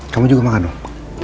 kamu juga makan dong